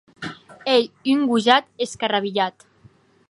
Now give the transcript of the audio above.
Ei un gojat escarrabilhat.